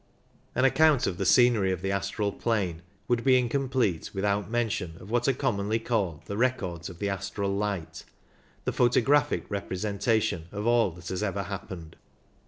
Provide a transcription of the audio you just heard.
An account of the scenery of the astral plane would be incomplete without mention of what are commonly called the Records of the Astral Light, the photographic repre sentation of all that has ever happened.